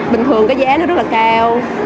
bình thường cái giá nó rất là cao